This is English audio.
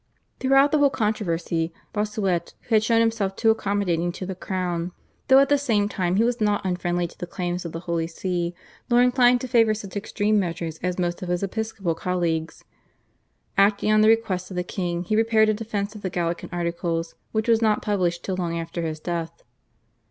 Throughout the whole controversy Bossuet had shown himself too accommodating to the crown, though at the same time he was not unfriendly to the claims of the Holy See, nor inclined to favour such extreme measures as most of his episcopal colleagues. Acting on the request of the king he prepared a defence of the Gallican Articles, which was not published till long after his death.